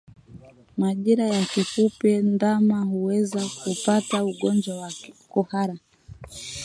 Majira ya kipupwe ndama huweza kupata ugonjwa wa kuhara